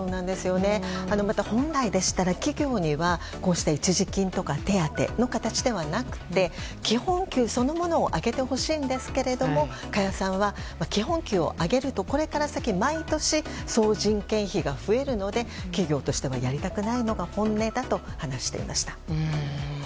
また、本来でしたら企業にはこうした一時金とか手当の形ではなくて基本給そのものを上げてほしいんですが加谷さんは基本給を上げるとこれから先、毎年総人件費が増えるので企業としてはやりたくないのが本音だと話していました。